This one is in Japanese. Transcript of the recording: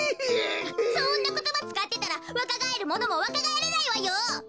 そんなことばつかってたらわかがえるものもわかがえらないわよ！